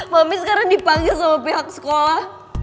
mami sekarang dipanggil sama pihak sekolah